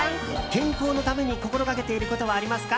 健康のために心がけていることはありますか？